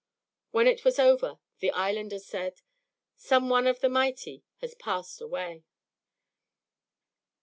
When it was over, the islanders said, "Some one of the mighty has passed away."